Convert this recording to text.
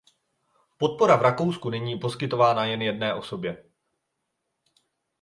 Podpora v Rakousku není poskytována jen jedné osobě.